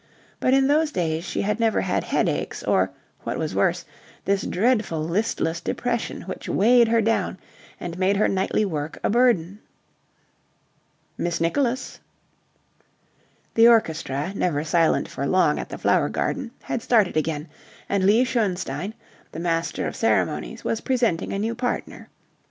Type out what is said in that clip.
But in those days she had never had headaches or, what was worse, this dreadful listless depression which weighed her down and made her nightly work a burden. "Miss Nicholas." The orchestra, never silent for long at the Flower Garden, had started again, and Lee Schoenstein, the master of ceremonies, was presenting a new partner.